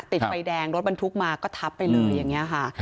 ติดไฟแดงรถบรรทุกมาก็ทับไปเลยอย่างนี้ค่ะ